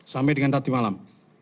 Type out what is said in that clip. sampai dengan tadi malam